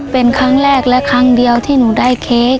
เป็นครั้งแรกและครั้งเดียวที่หนูได้เค้ก